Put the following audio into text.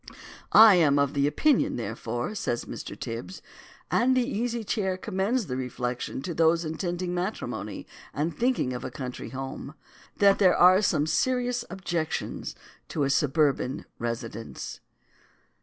I am of opinion, therefore, says Mr. Tibs, and the Easy Chair commends the reflection to those intending matrimony and thinking of a country home, that there are some serious objections to a suburban residence.